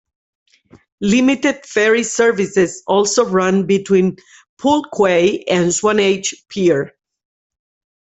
Limited ferry services also run between Poole Quay and Swanage Pier.